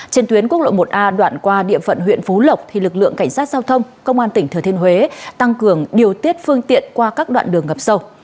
trên tuyến quốc lộ một a đoạn qua địa phận huyện phú lộc lực lượng cảnh sát giao thông công an tỉnh thừa thiên huế tăng cường điều tiết phương tiện qua các đoạn đường ngập sâu